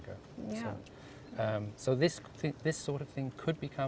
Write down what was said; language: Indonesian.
jadi teknologi meningkatkan